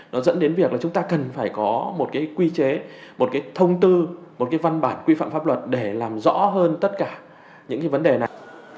nó dẫn đến việc chúng ta cần phải có một quy chế một thông tư một văn bản quy phạm pháp luật để làm rõ hơn tất cả những vấn đề này